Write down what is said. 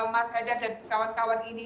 mas haidar dan kawan kawan ini